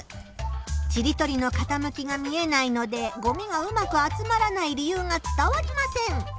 ちりとりのかたむきが見えないのでごみがうまく集まらない理由が伝わりません。